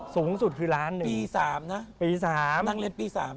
สูงสุดคือล้านหนึ่งปี๓นะนั่งเล่นปี๓นะครับ